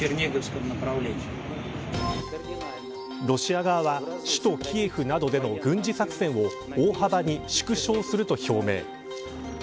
ロシア側は首都キエフなどでの軍事作戦を大幅に縮小すると表明。